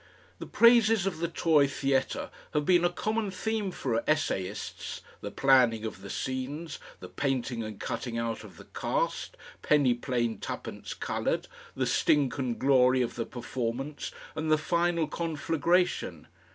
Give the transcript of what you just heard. The praises of the toy theatre have been a common theme for essayists, the planning of the scenes, the painting and cutting out of the caste, penny plain twopence coloured, the stink and glory of the performance and the final conflagration.